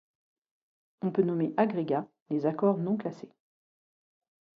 On peut nommer agrégats les accords non classés.